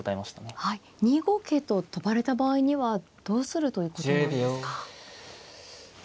２五桂と跳ばれた場合にはどうするということなんですか。